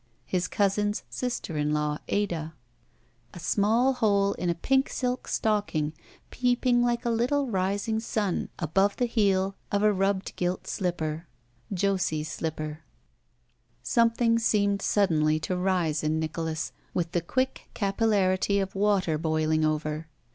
His cousin's sister in law, Ada. A small hole in a pink silk stocking, peeping like a little rising sun above the heel of a rubbed gilt slipper. Joede's slipper. 249 ROULETTE Something seemed suddenly to rise in Nicholas, with the quick capillarity of water boiling over.